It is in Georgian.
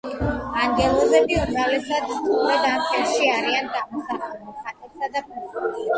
ანგელოზები უმრავლესად სწორედ ამ ფერში არიან გამოსახულნი ხატებსა და ფრესკებზე.